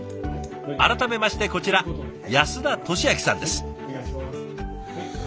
改めましてこちら安田敏明さんです。